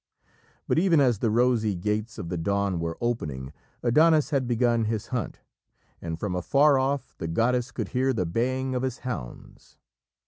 But even as the rosy gates of the Dawn were opening, Adonis had begun his hunt, and from afar off the goddess could hear the baying of his hounds.